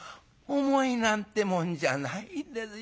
「重いなんてもんじゃないですよ。